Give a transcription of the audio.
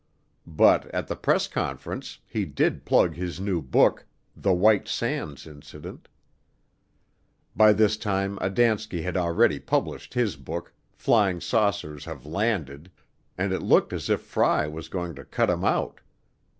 But, at the press conference, he did plug his new book, The White Sands Incident. By this time Adamski had already published his book Flying Saucers Have Landed and it looked as if Fry was going to cut him out.